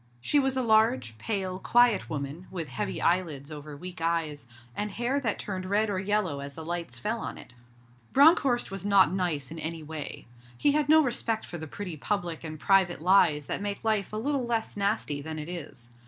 She was a large, pale, quiet woman, with heavy eyelids over weak eyes, and hair that turned red or yellow as the lights fell on it. Bronckhorst was not nice in any way. He had no respect for the pretty public and private lies that make life a little less nasty than it is.